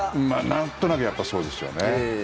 なんとなくやっぱり、そうですよね。